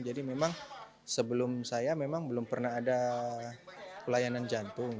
jadi memang sebelum saya memang belum pernah ada pelayanan jantung